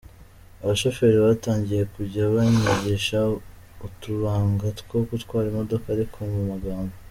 Abashoferi batangiye kujya banyigisha utubanga two gutwara imodoka ariko mu magambo.